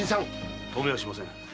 止めはしません。